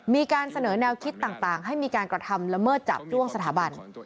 มีการเสนอแนวคิดต่างให้มีการกระทำละเมิดจับจ้วงสถาบัน